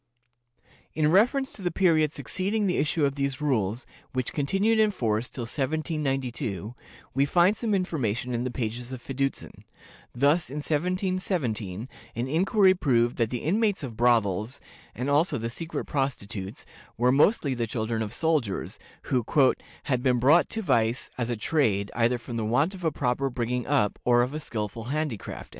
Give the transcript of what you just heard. In reference to the period succeeding the issue of these rules, which continued in force till 1792, we find some information in the pages of Fiducin. Thus, in 1717, an inquiry proved that the inmates of brothels, and also the secret prostitutes, were mostly the children of soldiers, who "had been brought to vice as a trade, either from the want of a proper bringing up or of a skillful handicraft."...